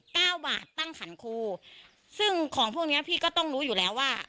เก้าบาทตั้งขันครูซึ่งของพวกเนี้ยพี่ก็ต้องรู้อยู่แล้วว่า